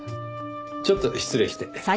ちょっと失礼して。